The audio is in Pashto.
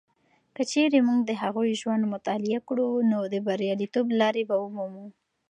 که چیرې موږ د هغوی ژوند مطالعه کړو، نو د بریالیتوب لارې به ومومو.